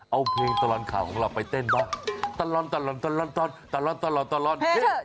เอาเพลงตะลอนขาของเราไปเต้นบ้างตะลอนตะลอนตะลอนตะลอน